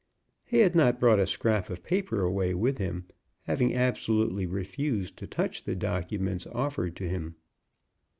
He had not brought a scrap of paper away with him, having absolutely refused to touch the documents offered to him.